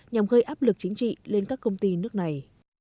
nhằm gây áp lực chính trị lên các công ty nước này